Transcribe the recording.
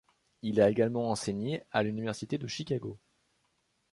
Il a également enseigné à l'université de Chicago.